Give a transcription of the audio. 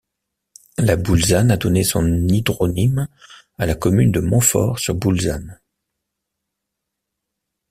La Boulzane a donné son hydronyme à la commune de Montfort-sur-Boulzane.